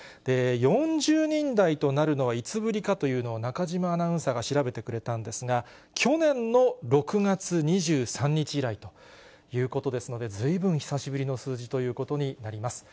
４０人台となるのはいつぶりかというのを、中島アナウンサーが調べてくれたんですが、去年の６月２３日以来ということですので、ずいぶん久しぶりの数字ということになります。